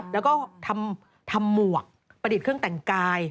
แล้วก็ทำหมวกประดิษฐ์เครื่องแต่งกาย